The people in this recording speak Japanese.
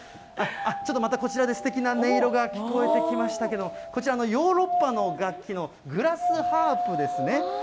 ちょっとまたこちらですてきな音色が聞こえてきましたけれども、こちら、ヨーロッパの楽器のグラスハープですね。